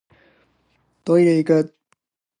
トイレいく